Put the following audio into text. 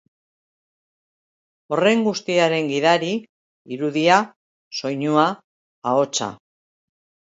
Horren guztiaren gidari, irudia, soinua, ahotsa.